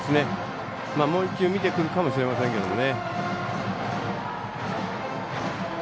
もう１球見てくるかもしれませんけどね。